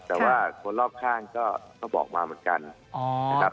แต่ว่าคนรอบข้างก็บอกมาเหมือนกันนะครับ